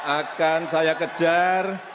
akan saya kejar